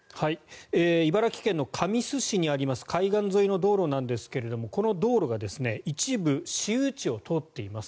茨城県の神栖市にあります海岸沿いの道路なんですがこの道路が一部、私有地を通っています。